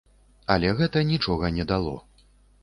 Але гэта нічога не дало.